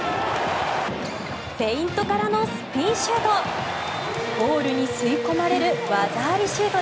フェイントからのスピンシュート。